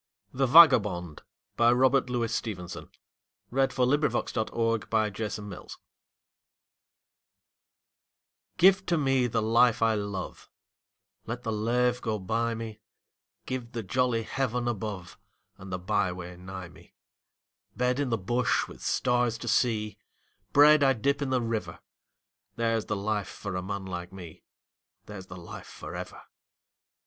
Other Verses by Robert Louis Stevenson ITHE VAGABOND (To an air of Schubert) GIVE to me the life I love, Let the lave go by me, Give the jolly heaven above And the byway nigh me. Bed in the bush with stars to see, Bread I dip in the river There's the life for a man like me, There's the life for ever.